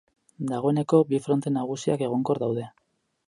Dagoeneko, bi fronte nagusiak egonkor daude.